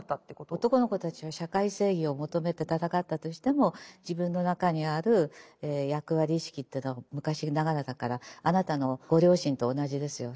男の子たちは社会正義を求めて闘ったとしても自分の中にある役割意識というのは昔ながらだからあなたのご両親と同じですよ。